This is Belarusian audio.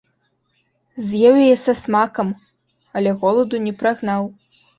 З'еў яе са смакам, але голаду не прагнаў.